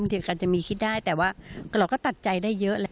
บางทีก็อาจจะมีคิดได้แต่ว่าเราก็ตัดใจได้เยอะ